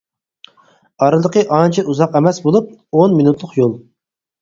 ئارىلىقى ئانچە ئۇزاق ئەمەس بولۇپ، ئون مىنۇتلۇق يول.